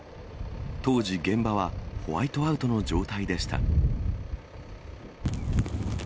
当時、現場はホワイトアウトの状態でした。